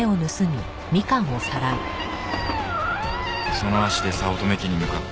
その足で早乙女家に向かった。